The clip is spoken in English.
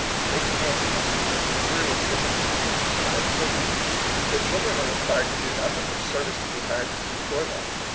They command easy and luxurious physical conditions for their children. Their children are required to do nothing which service can be hired to do for them.